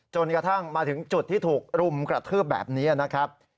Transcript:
จนกระทั่งมาถึงจุดที่ถูกรุมกระทืบแบบนี้นะครับ